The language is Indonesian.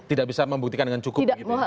tidak bisa membuktikan dengan cukup